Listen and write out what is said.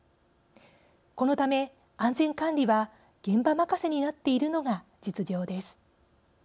このため安全管理は現場任せになっているのが実情です。